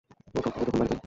ওই তখন বাড়িতে?